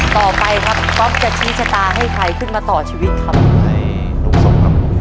ต่อไปครับพี่ป๊อปจะชี้ชะตาให้ใครขึ้นมาต่อชีวิตครับในลุงสมครับ